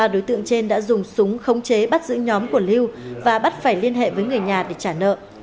ba đối tượng trên đã dùng súng khống chế bắt giữ nhóm của lưu và bắt phải liên hệ với người nhà để trả nợ